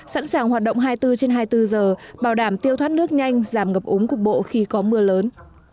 sẵn sàng hoạt động hai mươi bốn trên hai mươi bốn giờ bảo đảm tiêu thoát nước nhanh giảm ngập ống cục bộ khi có mưa lớn